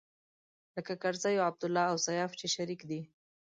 لکه کرزی او عبدالله او سياف چې شريک دی.